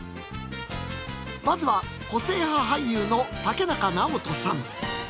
まずは個性派俳優の竹中直人さん。